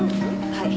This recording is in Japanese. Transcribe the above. はい。